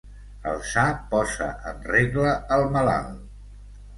El sa posa en regla el malalt.